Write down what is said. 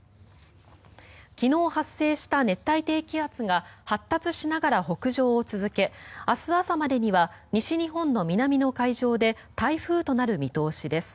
昨日発生した熱帯低気圧が発達しながら北上を続け明日朝までには西日本の南の海上で台風となる見通しです。